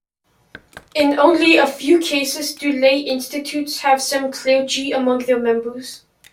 In only a few cases do lay institutes have some clergy among their members.